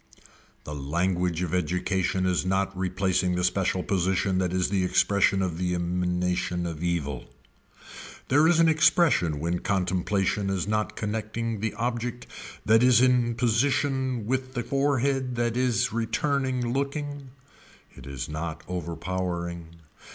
The language of education is not replacing the special position that is the expression of the emanation of evil. There is an expression when contemplation is not connecting the object that is in position with the forehead that is returning looking. It is not overpowering.